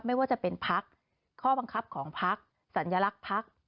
ไม่ว่าจะเป็นพักข้อบังคับของพักสัญลักษณ์พัก